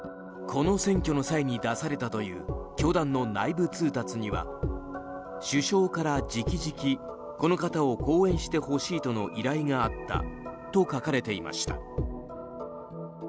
この選挙の際に出されたという教団の内部通達には首相から直々この方を後援してほしいとの依頼があったと書かれていました。